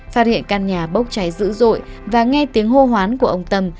phát hiện căn nhà bốc cháy dữ dội và nghe tiếng hô hoán của ông tâm